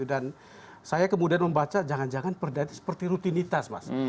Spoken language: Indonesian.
dan saya kemudian membaca jangan jangan perda itu seperti rutinitas mas